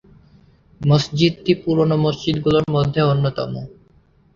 মসজিদটি পুরনো মসজিদগুলোর মধ্যে অন্যতম।